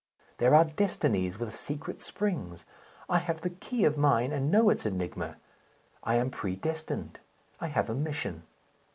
There are destinies with secret springs. I have the key of mine, and know its enigma. I am predestined; I have a mission.